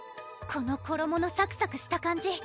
この衣のサクサクした感じ！